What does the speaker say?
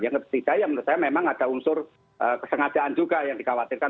yang ketiga ya menurut saya memang ada unsur kesengajaan juga yang dikhawatirkan